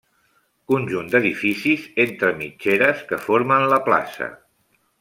Conjunt d'edificis entre mitgeres que formen la plaça.